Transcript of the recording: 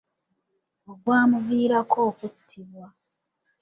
Ogwamuviirako okuttibwa.